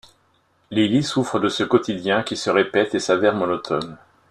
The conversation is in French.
Lili souffre de ce quotidien qui se répète et s'avère monotone.